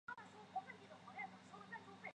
阿联酋的伊斯兰教法拥有相当的权力。